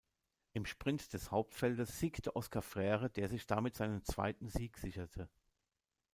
Im Sprint des Hauptfeldes siegte Óscar Freire, der sich damit seinen zweiten Sieg sicherte.